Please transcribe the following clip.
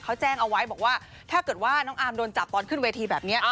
เขาแจ้งเอาไว้บอกว่าถ้าเกิดว่าน้องอาร์มโดนจับตอนขึ้นเวทีแบบนี้